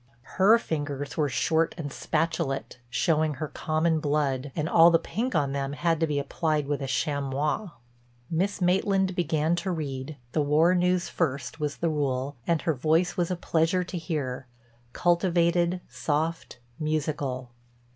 Her fingers were short and spatulate, showing her common blood, and all the pink on them had to be applied with a chamois. Miss Maitland began to read—the war news first was the rule—and her voice was a pleasure to hear, cultivated, soft, musical.